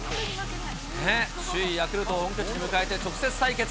首位ヤクルトを本拠地に迎えて直接対決。